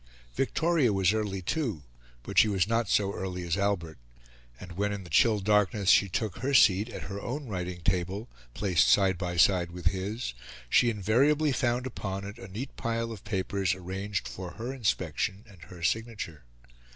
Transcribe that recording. Victoria was early too, but she was not so early as Albert; and when, in the chill darkness, she took her seat at her own writing table, placed side by side with his, she invariably found upon it a neat pile of papers arranged for her inspection and her signature.